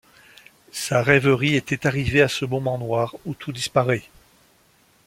Sa rêverie était arrivée à ce moment noir où tout disparaît.